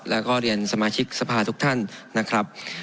แล้วก็เรียนสมาชิกสภาทุกท่านนะครับ